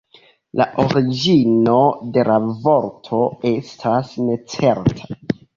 La origino de la vorto estas necerta.